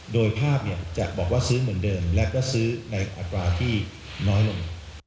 โดยภาพจะบอกว่าซื้อเหมือนเดิมและก็ซื้อในอัตราที่น้อยลง